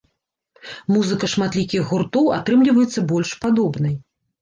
Музыка шматлікіх гуртоў атрымліваецца больш падобнай.